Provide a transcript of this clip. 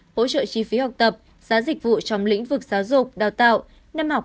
hỗ trợ chi phí học tập giá dịch vụ trong lĩnh vực giáo dục đào tạo năm học hai nghìn một mươi hai hai nghìn hai mươi ba